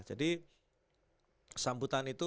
jadi sambutan itu